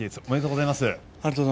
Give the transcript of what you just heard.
ありがとうございます。